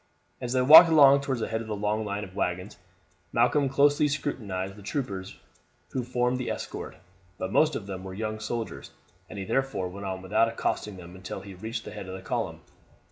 As they walked along towards the head of the long line of waggons Malcolm closely scrutinized the troopers who formed the escort, but most of them were young soldiers, and he therefore went on without accosting them until he reached the head of the column.